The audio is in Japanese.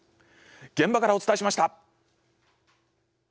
現場からお伝えしました！